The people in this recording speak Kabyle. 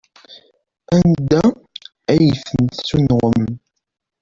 Anda ay ten-tessunɣem?